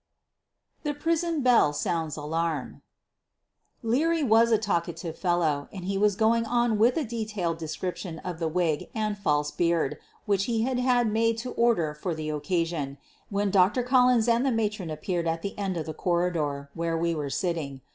THE PRISON BELL SOUNDS ALARM Leary was a talkative fellow and he was going on with a detailed description of the wig and false beard which he had had made to order for the occa sion, when Dr. Collins and the matron appeared at the end of the corridor where we were sitting.